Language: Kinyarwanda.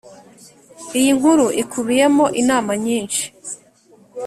Iyi nkuru ikubiyemo inama nyinshi